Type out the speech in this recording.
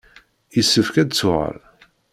Yessefk ad d-tuɣal.